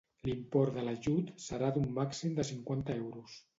L'import de l'ajut serà d'un màxim de cinquanta euros.